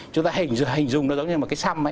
chúng ta hãy hình dung nó giống như một cái xăm ấy